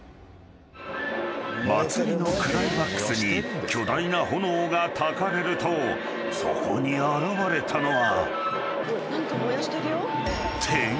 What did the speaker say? ［祭りのクライマックスに巨大な炎がたかれるとそこに現れたのは］